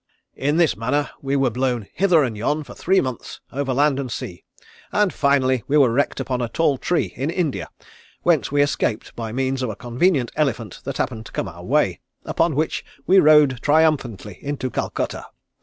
In this manner we were blown hither and yon for three months over land and sea, and finally we were wrecked upon a tall tree in India, whence we escaped by means of a convenient elephant that happened to come our way, upon which we rode triumphantly into Calcutta.